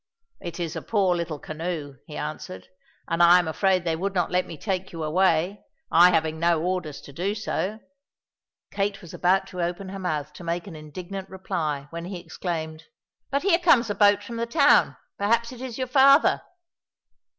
"It is a poor little canoe," he answered, "and I am afraid they would not let me take you away, I having no orders to do so." Kate was about to open her mouth to make an indignant reply, when he exclaimed, "But here comes a boat from the town; perhaps it is your father!"